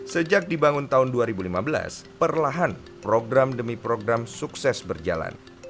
sejak dibangun tahun dua ribu lima belas perlahan program demi program sukses berjalan